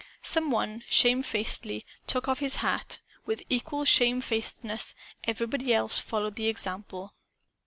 Some one shamefacedly took off his hat. With equal shamefacedness, everybody else followed the example.